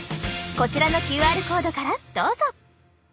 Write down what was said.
こちらのＱＲコードからどうぞ！